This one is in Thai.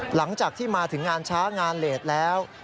หลังจากที่มาถึงงานช้างานเลสแล้ว